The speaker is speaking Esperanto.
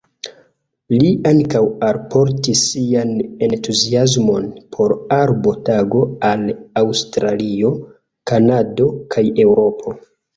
Li ankaŭ alportis sian entuziasmon por Arbo Tago al Aŭstralio, Kanado kaj Eŭropo.